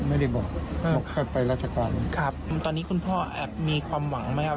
ไม่ได้บอกว่าใครไปราชการครับตอนนี้คุณพ่อแอบมีความหวังไหมครับ